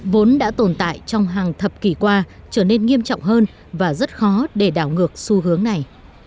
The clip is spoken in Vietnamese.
vốn đã tồn tại trong hàng thập kỷ qua trở nên nghiêm trọng hơn và rất khó để đảo ngược xu hướng này